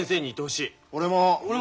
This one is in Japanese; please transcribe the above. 俺も。